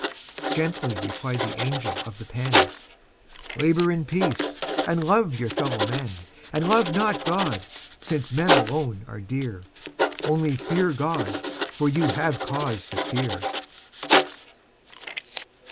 Gently replied the angel of the pen: "Labour in peace and love your fellow men: And love not God, since men alone are dear, Only fear God; for you have cause to fear."